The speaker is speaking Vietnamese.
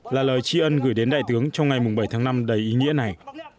là lời tri ân gửi đến đại tướng trong ngày bảy tháng năm đầy ý nghĩa này